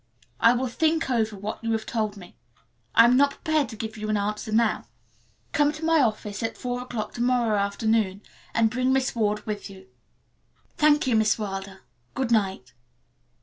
I will think over what you have told me. I am not prepared to give you an answer now. Come to my office at four o'clock to morrow afternoon and bring Miss Ward with you." "Thank you, Miss Wilder. Good night."